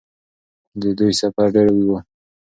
د دوی سفر ډېر اوږد و.